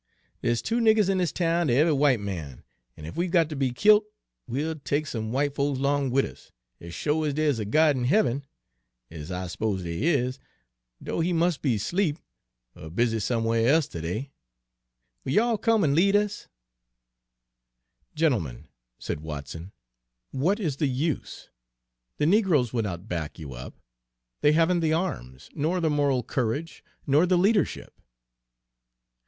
Dere's two niggers in dis town ter eve'y w'ite man, an' ef we 'we got ter be killt, we'll take some w'ite folks 'long wid us, ez sho' ez dere's a God in heaven, ez I s'pose dere is, dough He mus' be 'sleep, er busy somewhar e'se ter day. Will you all come an' lead us?" "Gentlemen," said Watson, "what is the use? The negroes will not back you up. They haven't the arms, nor the moral courage, nor the leadership."